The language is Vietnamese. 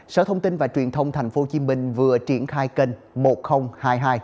sở thông tin và truyền thông tp hcm vừa triển khai kênh một nghìn hai mươi hai